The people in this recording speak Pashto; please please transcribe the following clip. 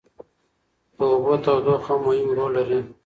د اوبو تودوخه هم مهم رول لري.